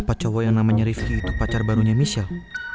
apa cowo yang namanya rifki itu pacar barunya michelle